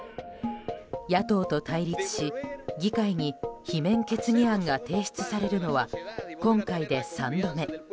野党と対立し議会に罷免決議案が提出されるのは今回で３度目。